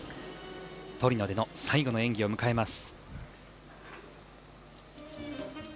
トリノでの最後の演技を迎えます。